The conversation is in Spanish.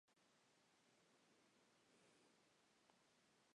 Luego, se entiende que estos han comprado una casa nueva.